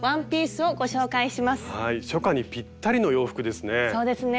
初夏にぴったりの洋服ですね。